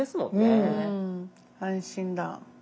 うん安心だ。